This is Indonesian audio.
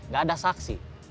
gak ada saksi